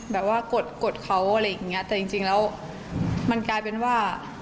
แบบว่ากดกดเขาอะไรอย่างเงี้ยแต่จริงแล้วมันกลายเป็นว่า